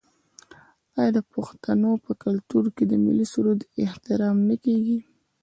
آیا د پښتنو په کلتور کې د ملي سرود احترام نه کیږي؟